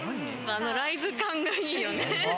ライブ感がいいよね。